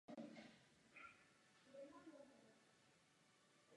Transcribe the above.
Je známý i pro svou publikační činnost.